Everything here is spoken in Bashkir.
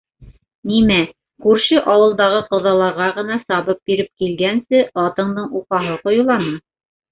Нимә, күрше ауылдағы ҡоҙаларға ғына сабып барып килгәнсе атыңдың уҡаһы ҡойоламы?